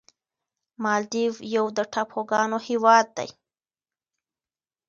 مالدیو یو د ټاپوګانو هېواد دی.